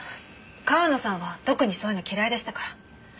川野さんは特にそういうの嫌いでしたから。